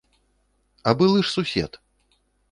А былы ж сусед!